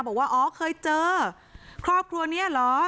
บอกว่าอ๋อเคยเจอครอบครัวนี้เหรอ